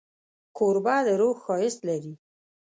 کوربه د روح ښایست لري.